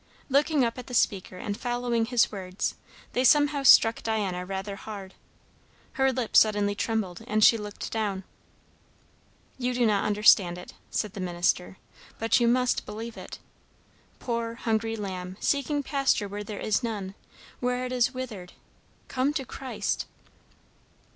Looking up at the speaker and following his words, they somehow struck Diana rather hard. Her lip suddenly trembled, and she looked down. "You do not understand it," said the minister, "but you must believe it. Poor hungry lamb, seeking pasture where there is none, where it is withered, come to Christ!"